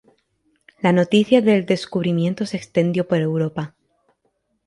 La noticia del descubrimiento se extendió por Europa.